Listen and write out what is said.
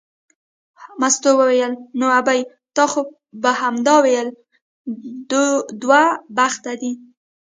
مستو وویل نو ابۍ تا خو به همدا ویل دوه بخته دی.